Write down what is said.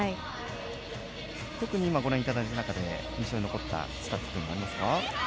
今、ご覧になった中で印象に残ったスタッツはありますか？